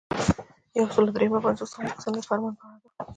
یو سل او درې پنځوسمه پوښتنه د فرمان په اړه ده.